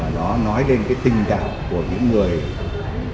nó nói đến tình trạng của những người từng cộng tác